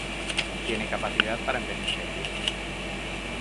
Tiene capacidad para envejecer bien.